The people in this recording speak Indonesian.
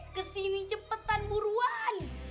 kesini cepetan buruan